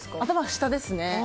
下ですね。